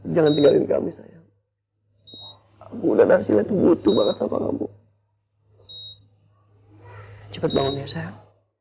jangan tinggalin kami saya udah nanti lihat butuh banget sama kamu cepet banget ya sayang